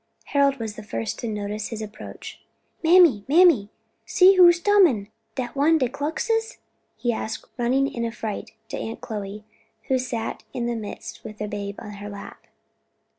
Harold was the first to notice his approach. "Mammy, mammy! see who's tumin! dat one de Kluxes?" he asked, running in affright to Aunt Chloe, who sat in their midst with the babe on her lap.